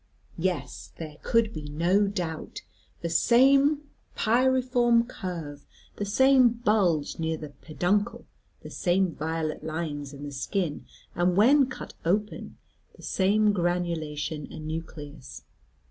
Yes, there could be no doubt; the same pyriform curve, the same bulge near the peduncle, the same violet lines in the skin, and when cut open, the same granulation and nucleus.